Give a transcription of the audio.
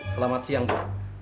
selamat siang bu